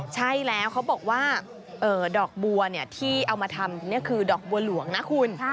ใช่แล้วเขาบอกว่าดอกบัวที่เอามาทำนี่คือดอกบัวหลวงนะคุณ